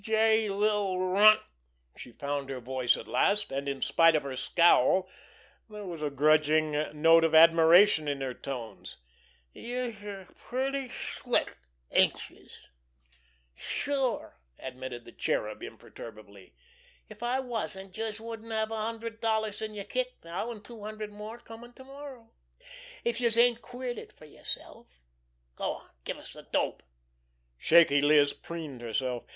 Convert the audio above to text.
"Youse dirty little runt!" She found her voice at last, and in spite of her scowl there was a grudging note of admiration in her tones. "Youse are pretty slick, ain't youse?" "Sure!" admitted the Cherub imperturbably. "If I wasn't, youse wouldn't have a hundred dollars in yer kick now, an' two hundred more comin' to morrow—if youse ain't queered it fer yerself. Go on, give us de dope!" Shaky Liz preened herself.